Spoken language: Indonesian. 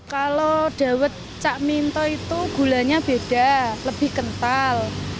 kalau dawet cak minto itu gulanya beda lebih kental